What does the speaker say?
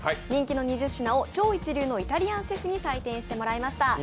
人気の２０品を超人気のイタリアンシェフに採点していただきました。